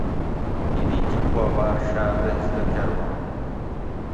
دی دی جِب پا باۤر شاردہ اِزدہ کۤرواں